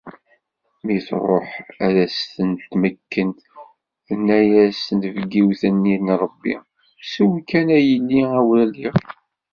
Mi truḥ ad as-ten-tmekken, tenna-as tnebgiwt-nni n Rebbi: "Sew kan a yelli a waliɣ."